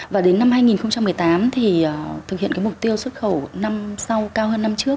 và đến năm hai nghìn một mươi tám thì thực hiện mục tiêu xuất khẩu năm sau cao hơn năm trước